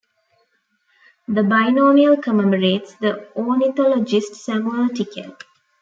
The binomial commemorates the ornithologist Samuel Tickell.